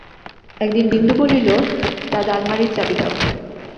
একদিন বিন্দু বলিল, দাদা আলমারির চাবি দাও।